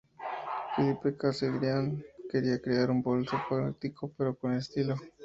Philippe Cassegrain quería crear un bolso práctico pero con estilo.